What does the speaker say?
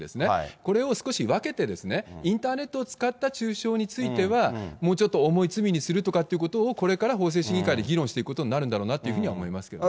これを少し分けて、インターネットを使った中傷については、もうちょっと重い罪にするとかっていうことをこれから法制審議会で議論していくことになるんだろうなというふうに思いますけどね。